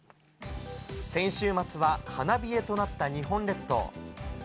先週末は花冷えとなった日本列島。